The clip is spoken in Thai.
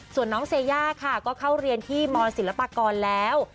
ส่วนน้องเซย่าค่ะก็เข้าเรียนที่มศิลปากรแล้ว